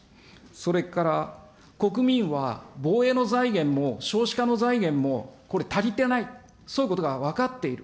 それから国民は防衛の財源も少子化の財源もこれ足りてない、そういうことが分かっている。